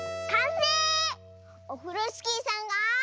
オフロスキーさんが。